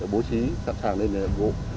bố trí sẵn sàng lên đường vụ